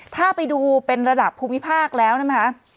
ถ้าไปดูเป็นระดับภูมิภาคแล้วนะคะ